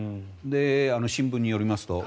新聞によりますと。